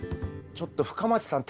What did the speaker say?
ちょっと深町さん